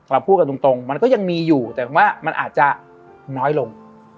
พูดกันตรงมันก็ยังมีอยู่แต่ว่ามันอาจจะน้อยลง